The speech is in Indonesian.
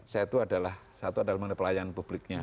satu adalah satu adalah melayani pelayanan publiknya